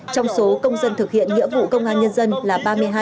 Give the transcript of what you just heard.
trong số công dân thực hiện nghĩa vụ công an nhân dân là ba mươi hai